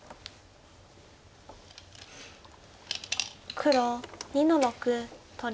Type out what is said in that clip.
黒２の六取り。